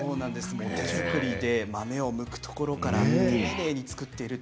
手作りで豆をむくところから丁寧に作っています。